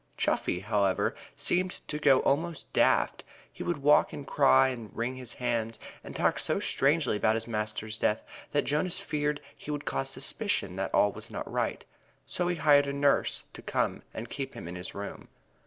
Chuffey, however, seemed to go almost daft. He would walk and cry and wring his hands and talk so strangely about his master's death that Jonas feared he would cause suspicion that all was not right. So he hired a nurse to come and keep him in his room.